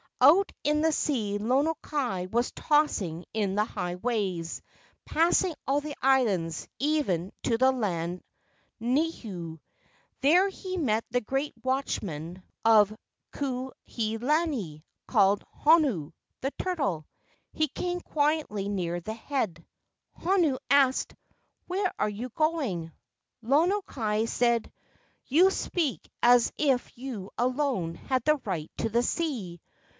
Out in the sea Lono kai was tossing in the high waves, passing all the islands, even to the land Niihau. There he met the great watchman 212 LEGENDS OF GHOSTS of Kuai he lani called Honu (the turtle). He came quietly near the head. Honu asked, "Where are you going?" Lono kai said: "You speak as if you alone had the right to the sea.